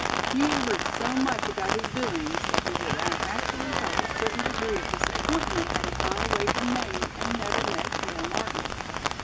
He had heard so much about his doings that he would have actually felt a certain degree of disappointment had he gone away from Maine and never met Cale Martin.